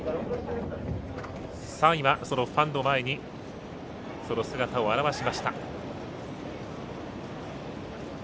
ファンの前にその姿を現しました。